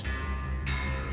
nimas pak witra